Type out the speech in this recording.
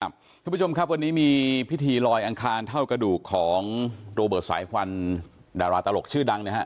คุณผู้ชมครับวันนี้มีพิธีลอยอังคารเท่ากระดูกของโรเบิร์ตสายควันดาราตลกชื่อดังนะฮะ